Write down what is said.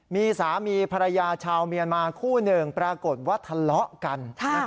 มีสามีภรรยาชาวเมียนมาคู่หนึ่งปรากฏว่าทะเลาะกัน